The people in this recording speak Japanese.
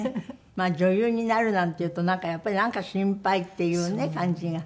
まあ「女優になる」なんて言うとやっぱりなんか心配っていう感じが。